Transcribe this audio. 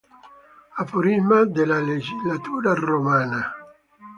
Aforisma della legislatura romana.